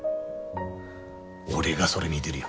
俺がそれ見でるよ。